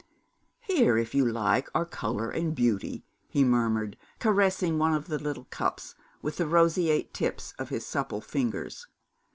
'Here if you like, are colour and beauty,' he murmured, caressing one of the little cups with the roseate tips of his supple fingers.